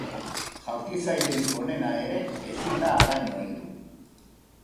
Jaurtitzailerik onena ere ezin da haraino heldu.